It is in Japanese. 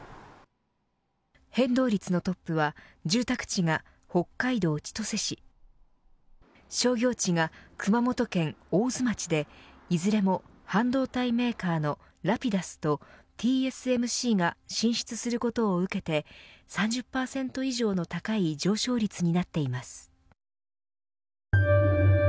変動率のトップは、住宅地が北海道千歳市商業地が熊本県大津町でいずれも半導体メーカーのラピダスとＴＳＭＣが進出することを受けて３０％以上の高い上昇率になっています。